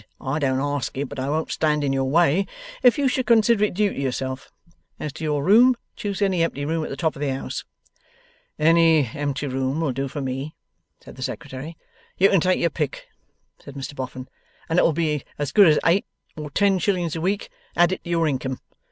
I don't ask it, but I won't stand in your way if you should consider it due to yourself. As to your room, choose any empty room at the top of the house.' 'Any empty room will do for me,' said the Secretary. 'You can take your pick,' said Mr Boffin, 'and it'll be as good as eight or ten shillings a week added to your income.